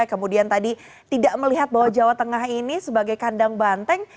kemudian tadi tidak melihat bahwa jawa tengah ini sebagai kandang banteng